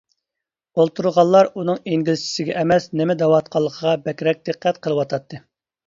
ئولتۇرغانلار ئۇنىڭ ئىنگلىزچىسىگە ئەمەس، نېمە دەۋاتقانلىقىغا بەكرەك دىققەت قىلىۋاتاتتى.